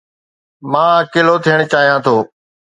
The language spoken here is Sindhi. مان اڪيلو ٿيڻ چاهيان ٿو